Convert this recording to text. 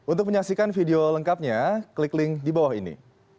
untuk menyaksikan video lengkapnya klik link di bawah ini